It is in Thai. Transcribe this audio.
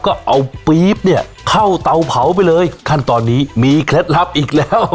ก็เอาปี๊บเนี่ยเข้าเตาเผาไปเลยขั้นตอนนี้มีเคล็ดลับอีกแล้ว